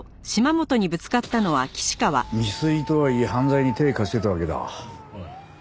未遂とはいえ犯罪に手貸してたわけだ。